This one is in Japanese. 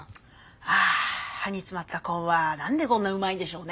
あ歯に詰まったコーンは何でこんなうまいんでしょうね。